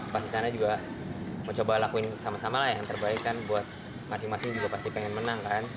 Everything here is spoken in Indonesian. pas di sana juga mau coba lakuin sama sama lah yang terbaik kan buat masing masing juga pasti pengen menang kan